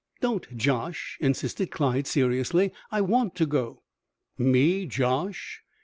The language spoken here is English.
"Don't josh!" insisted Clyde, seriously. "I want to go " "Me josh?"